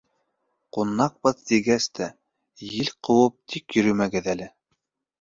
— Ҡунаҡбыҙ тигәс тә, ел ҡыуып тик йөрөмәгеҙ әле.